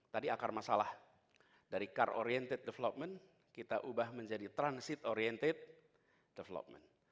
tadi akar masalah dari car oriented development kita ubah menjadi transit oriented development